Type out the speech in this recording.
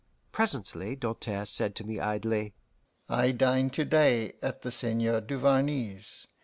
Presently Doltaire said to me idly: "I dine to day at the Seigneur Duvarney's.